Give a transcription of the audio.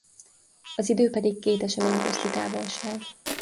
Az idő pedig két esemény közti távolság.